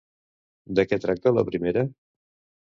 De què tracta la primera?